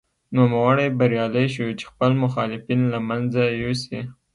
نوموړی بریالی شو چې خپل مخالفین له منځه یوسي.